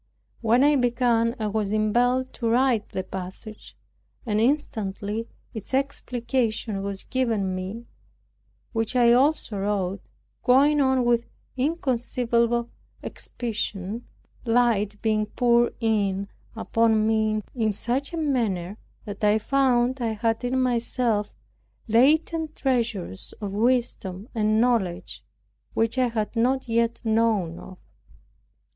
When I began I was impelled to write the passage, and instantly its explication was given me, which I also wrote, going on with inconceivable expedition, light being poured in upon me in such a manner, that I found I had in myself latent treasures of wisdom and knowledge which I had not yet known of.